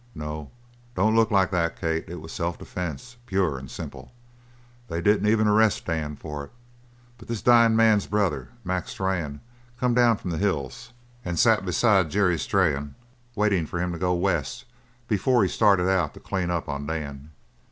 No, don't look like that, Kate; it was self defense, pure and simple they didn't even arrest Dan for it. But this dyin' man's brother, Mac Strann, come down from the hills and sat beside Jerry Strann waitin' for him to go west before he started out to clean up on Dan.